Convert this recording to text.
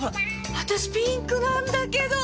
私ピンクなんだけど！